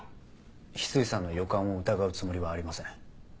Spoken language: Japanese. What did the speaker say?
翡翠さんの予感を疑うつもりはありません。